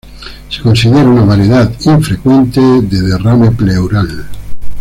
Se considera una variedad infrecuente de derrame pleural.